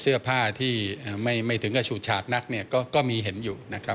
เสื้อผ้าที่ไม่ถึงก็ชูชาตินักก็มีเห็นอยู่